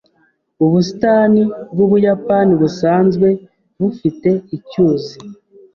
Ubusitani bw'Ubuyapani busanzwe bufite icyuzi.